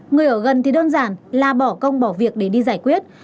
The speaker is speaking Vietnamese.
người ở gần thì đơn giản là bỏ công bỏ việc để đi giải quyết